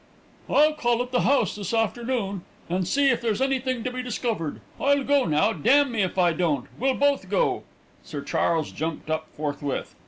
"I'll call at the house this afternoon, and see if there's anything to be discovered. I'll go now; damme, if I don't. We'll both go." Sir Charles jumped up forthwith.